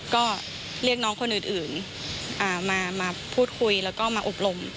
ก็เรียกน้องคนอื่นมาพูดคุยแล้วก็มาอบรม